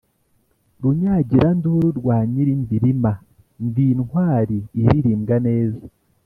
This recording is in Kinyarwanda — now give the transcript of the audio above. Runyagiranduru rwa Nyilimbirima, ndi intwali ilirimbwa neza.